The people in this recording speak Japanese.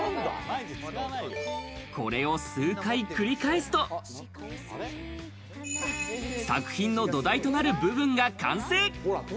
これを数回繰り返すと、作品の土台となる部分が完成。